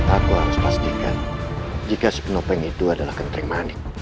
aku harus pastikan jika si penopeng itu adalah kenteng manik